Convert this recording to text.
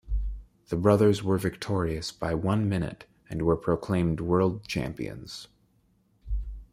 The brothers were victorious by one minute, and were proclaimed world champions.